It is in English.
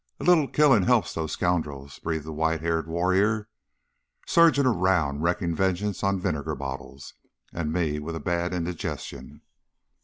"A little killin' helps those scoun'rels," breathed the white haired warrior. "Surgin' around, wreakin' vengeance on vinegar bottles! And me with a bad indigestion!"